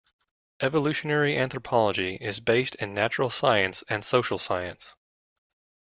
Evolutionary anthropology is based in natural science and social science.